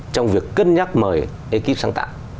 trong việc cân nhắc mời ekip sáng tạo